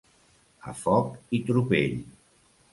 A foc i tropell.